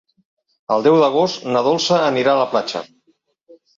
El deu d'agost na Dolça anirà a la platja.